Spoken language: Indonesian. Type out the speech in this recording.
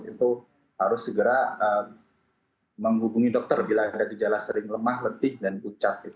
itu harus segera menghubungi dokter bila ada gejala sering lemah letih dan pucat